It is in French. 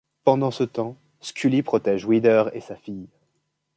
Pendant ce temps, Scully protège Wieder et sa fille.